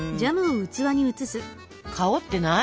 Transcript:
香ってない？